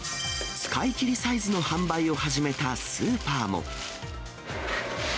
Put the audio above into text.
使いきりサイズの販売を始めたスーパーも。